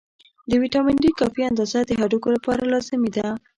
د ویټامین D کافي اندازه د هډوکو لپاره لازمي ده.